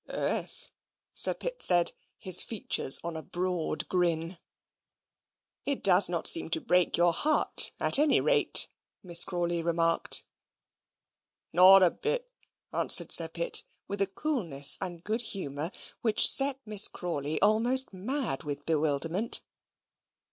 "Ees," Sir Pitt said, his features on a broad grin. "It does not seem to break your heart at any rate," Miss Crawley remarked. "Nawt a bit," answered Sir Pitt, with a coolness and good humour which set Miss Crawley almost mad with bewilderment.